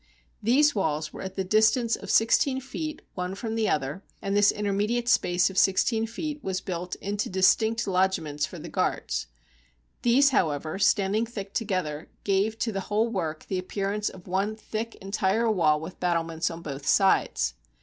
These walls were at the distance of sixteen feet one from the other; and this intermedi ate space of sixteen feet was built into distinct lodgments for the guards. These, however, standing thick together, gave to the whole work the appearance of one thick entire wall with battlements on both sides.